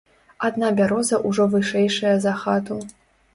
Адна бяроза ўжо вышэйшая за хату.